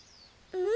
うん？